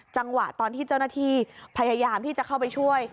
จังหวะตอนที่เจ้าหน้าที่พยายามที่จะเข้าไปช่วย